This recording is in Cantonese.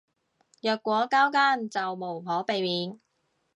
若果交更就無可避免